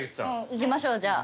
いきましょうじゃあ。